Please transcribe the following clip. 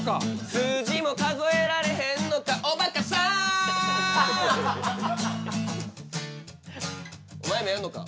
数字も数えられへんのかおばかさんお前もやんのか？